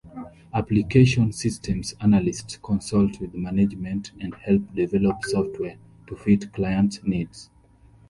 Application systems analysts consult with management and help develop software to fit clients' needs.